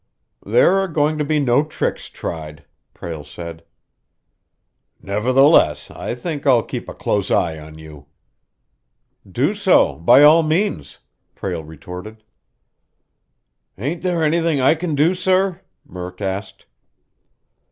"There are going to be no tricks tried," Prale said. "Nevertheless, I think I'll keep a close eye on you." "Do so, by all means!" Prale retorted. "Ain't there anything I can do, sir?" Murk asked.